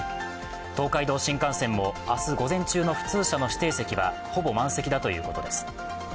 東海道新幹線も明日午前中の普通車の指定席はほぼ満席だということです。